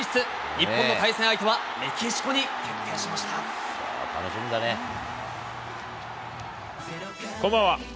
日本の対戦相手はメキシコに決定こんばんは。